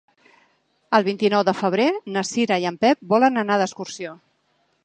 El vint-i-nou de febrer na Cira i en Pep volen anar d'excursió.